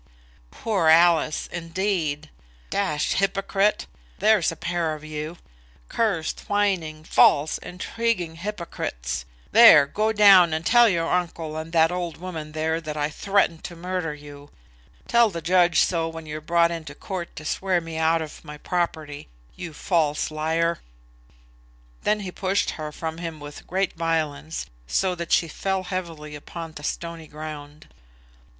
"Poor Alice, indeed! D hypocrite! There's a pair of you; cursed, whining, false, intriguing hypocrites. There; go down and tell your uncle and that old woman there that I threatened to murder you. Tell the judge so, when you're brought into court to swear me out of my property. You false liar!" Then he pushed her from him with great violence, so that she fell heavily upon the stony ground.